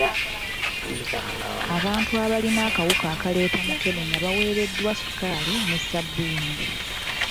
Abantu abalina akawuka akaleeta mukenenya baweereddwa sukaali ne ssabbuuni.